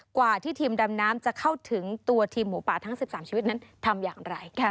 กว่าที่ทีมดำน้ำจะเข้าถึงตัวทีมหมูป่าทั้ง๑๓ชีวิตนั้นทำอย่างไรค่ะ